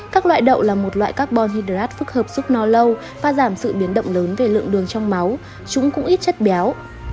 các loại đậu là một loại carbon hydrat phức hợp giúp no lâu và giảm sự biến động lớn về lượng đường trong máu chúng cũng ít chất béo